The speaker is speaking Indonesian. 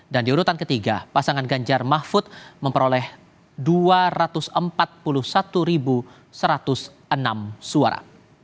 dan di urutan ketiga pasangan ganjar mahfud memperoleh dua ratus empat puluh satu satu ratus enam suara